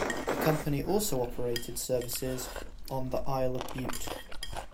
The company also operated services on the Isle of Bute.